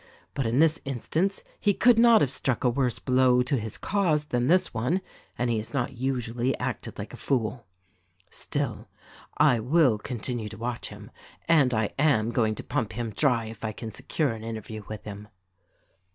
Rut, in this instance he could not have struck a worse blow to his cause than this one, — and he has not usually acted like a fool. Still, THE RECORDING ANGEL 173 I will continue to watch him — and I am going to pump him dry if I can secure an interview with him."